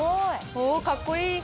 おかっこいい！